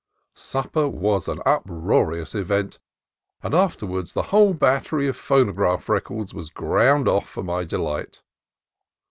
Supper was an uproarious event, and afterwards the whole battery of phonograph records was ground off for my delight.